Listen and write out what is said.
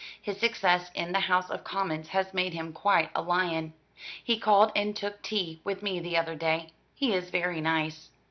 His success in the House of Commons has made him quite a lion. He called and took tea with me the other day. He is very nice.